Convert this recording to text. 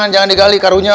jangan digali karunya